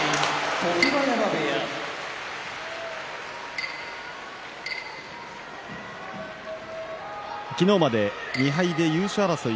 常盤山部屋昨日まで２敗で優勝争い